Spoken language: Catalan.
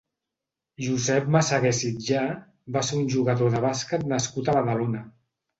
Josep Massaguer Sitjà va ser un jugador de bàsquet nascut a Badalona.